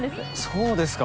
そうですか。